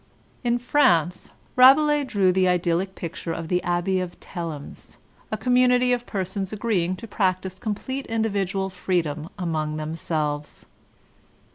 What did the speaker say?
In France, Rabelais drew the idyllic picture of the Abbey of Thelemes, a community of persons agree ing to practise complete individual freedom among them selves.